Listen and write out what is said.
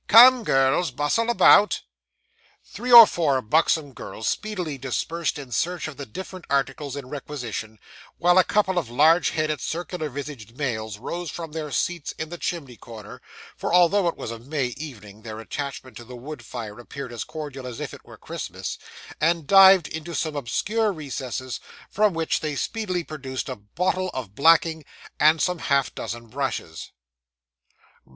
Come, girls, bustle about.' Three or four buxom girls speedily dispersed in search of the different articles in requisition, while a couple of large headed, circular visaged males rose from their seats in the chimney corner (for although it was a May evening their attachment to the wood fire appeared as cordial as if it were Christmas), and dived into some obscure recesses, from which they speedily produced a bottle of blacking, and some half dozen brushes.